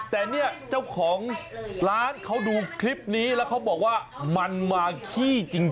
แต่เนี่ยเจ้าของร้านเขาดูคลิปนี้แล้วเขาบอกว่ามันมาขี้จริง